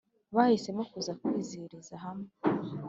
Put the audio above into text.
bahisemo kuza kwizihiriza hamwe